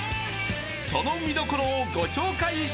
［その見どころをご紹介します］